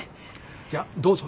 じゃどうぞ。